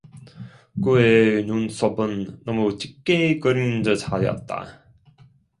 그의 눈썹은 너무 짙게 그린 듯하였다.